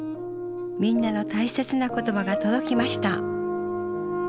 みんなの大切な言葉が届きました。